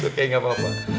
oke oke nggak apa apa